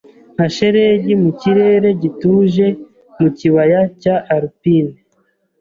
Nka shelegi mu kirere gituje mu kibaya cya alpine